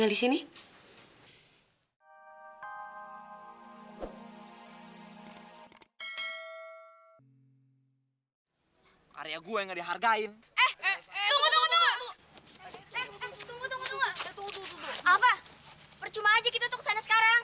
ini aku dimana ya